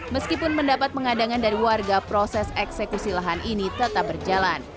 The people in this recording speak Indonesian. meskipun mendapat pengadangan dari warga proses eksekusi lahan ini tetap berjalan